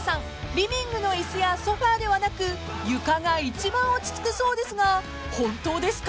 リビングの椅子やソファではなく床が一番落ち着くそうですが本当ですか？］